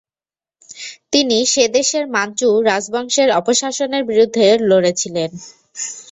তিনি সেদেশের মানচু রাজবংশের অপশাসনের বিরুদ্ধে লড়ে ছিলেন।